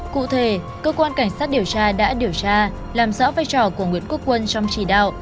cụ thể cơ quan cảnh sát điều tra đã điều tra làm rõ vai trò của nguyễn quốc quân trong chỉ đạo